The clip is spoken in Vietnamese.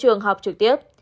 trường học trực tiếp